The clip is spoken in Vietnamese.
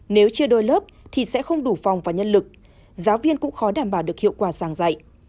nếu chưa đôi lớp thì sẽ không đủ phòng và nhân lực giáo viên cũng khó đảm bảo được hiệu quả giảng dạy